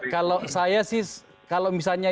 kalau saya sih kalau misalnya